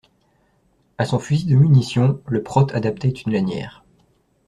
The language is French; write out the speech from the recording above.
A son fusil de munition le prote adaptait une lanière.